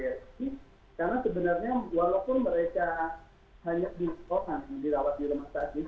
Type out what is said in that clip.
karena sebenarnya walaupun mereka hanya di ruang dirawat di rumah tadi